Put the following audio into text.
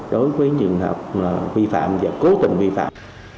đối với trường hợp vi phạm và cố tình vi phạm